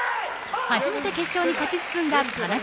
初めて決勝に勝ち進んだ田中佑